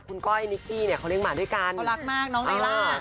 คุณก้อยนิกกี้เนี่ยเขาเลี้ยหมาด้วยกันเขารักมากน้องไอล่า